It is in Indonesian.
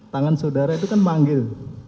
tangan saudara itu kan manggil